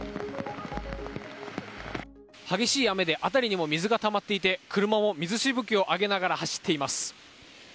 激しい雨で辺りにも水がたまっていて車も水しぶきをあげながら走っています。